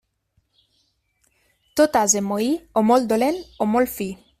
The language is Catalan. Tot ase moí, o molt dolent o molt fi.